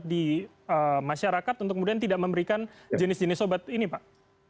di masyarakat untuk kemudian tidak memberikan jenis jenis obat ini pak